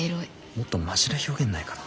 もっとマシな表現ないかな。